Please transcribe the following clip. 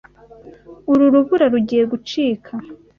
Uru rubura rugiye gucika.